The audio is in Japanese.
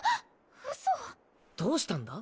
うそ⁉どうしたんだ？